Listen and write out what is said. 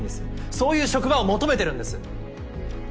そういう職場を求めてるんです。